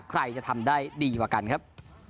ใครจะทำได้ดีกว่ากันครับ